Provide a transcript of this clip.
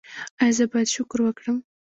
ایا زه باید شکر وکړم؟